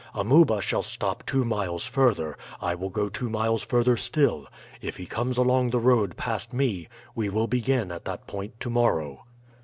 Amuba shall stop two miles further; I will go two miles further still. If he comes along the road past me we will begin at that point to morrow."